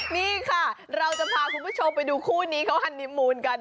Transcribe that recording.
นี่ค่ะเราจะพาคุณผู้ชมไปดูคู่นี้เขาฮันนิมูลกัน